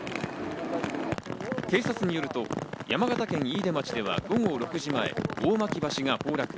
警察によると山形県飯豊町では午後６時前、大巻橋が崩落。